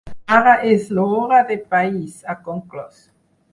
Ara és l’hora del país, ha conclòs.